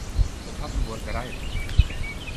It hat in buorkerij west.